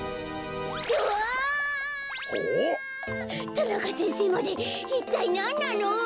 田中先生までいったいなんなの？